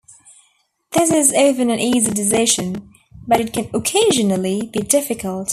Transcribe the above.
This is often an easy decision, but it can occasionally be difficult.